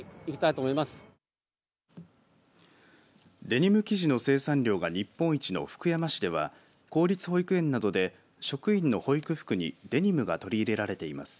デニム生地の生産量が日本一の福山市では公立保育園などで職員の保育服にデニムが取り入れられています。